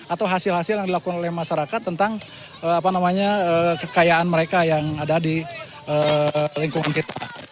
atau hasil hasil yang dilakukan oleh masyarakat tentang kekayaan mereka yang ada di lingkungan kita